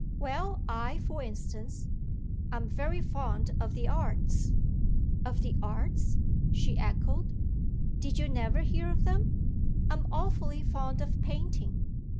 "Well, I for instance, I'm very fond of the arts." "Of the arts?" she echoed. "Did you never hear of them? I'm awfully fond of painting."